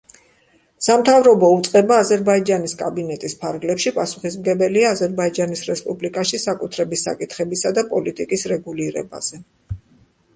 სამთავრობო უწყება აზერბაიჯანის კაბინეტის ფარგლებში პასუხისმგებელია აზერბაიჯანის რესპუბლიკაში საკუთრების საკითხებისა და პოლიტიკის რეგულირებაზე.